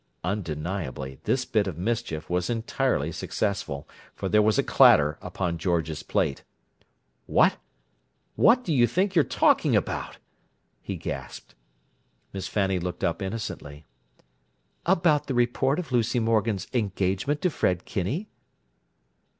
Undeniably, this bit of mischief was entirely successful, for there was a clatter upon George's plate. "What—what do you think you're talking about?" he gasped. Miss Fanny looked up innocently. "About the report of Lucy Morgan's engagement to Fred Kinney."